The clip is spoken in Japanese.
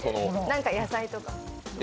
何か野菜とか。